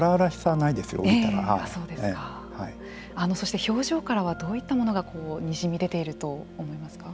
あのそして表情からはどういったものがにじみ出ていると思いますか。